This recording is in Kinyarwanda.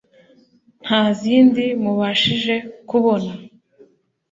nta zindi mubashije kubona …